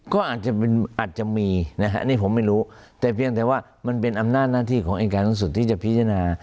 ก็อาจจะมีนะฮะนี่ผมไม่รู้แต่เพียงแต่ว่ามันเป็นอำนาจหน้าที่ของอายการสูงสุดที่จะพิจารณา